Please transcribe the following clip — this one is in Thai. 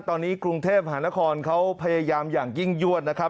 ตอนนี้กรุงเทพหานครเขาพยายามอย่างยิ่งยวดนะครับ